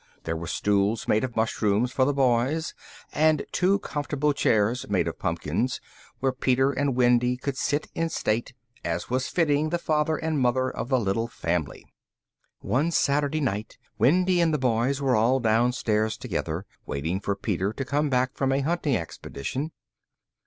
There were stools made of mushrooms for the Boys, and two comfortable chairs made of pumpkins, where Peter and Wendy could sit in state, as was fitting the father and mother of the little family. One Saturday night, Wendy and the Boys were all downstairs together, waiting for Peter to come back from a hunting expedition.